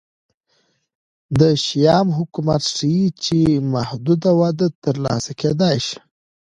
د شیام حکومت ښيي چې محدوده وده ترلاسه کېدای شي